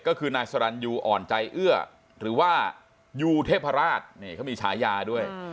ก็คือนายสรรยูอ่อนใจเอื้อหรือว่ายูเทพราชนี่เขามีฉายาด้วย